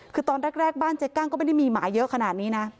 คือตอนแรกบ้านเจ๊กั้งก็ไม่ได้มีหมาเยอะขนาดนี้นะ